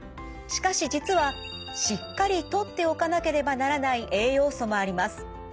しかし実はしっかりとっておかなければならない栄養素もあります。